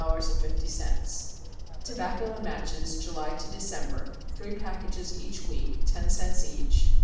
50 Tobacco and matches, July to December, three packages each week, ten cents each